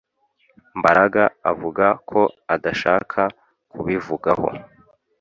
Mbaraga avuga ko adashaka kubivugaho